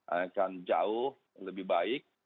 akan jauh lebih baik